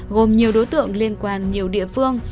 gồm nhiều đối tượng liên quan nhiều địa phương